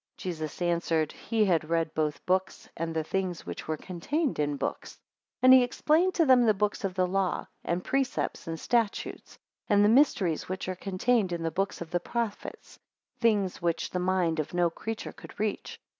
6 Jesus answered, he had read both books, and the things which were contained in books. 7 And he explained to them the books of the law, and precepts, and statutes: and the mysteries which are contained in the books of the prophets; things which the mind of no creature could reach.